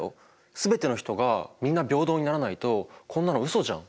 全ての人がみんな平等にならないとこんなのうそじゃん。